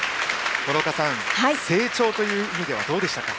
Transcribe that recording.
諸岡さん、成長という意味ではどうでしたか？